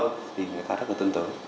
thì người ta rất là tin tưởng